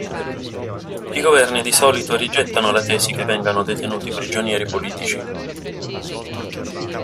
I Governi di solito rigettano la tesi che vengano detenuti prigionieri politici.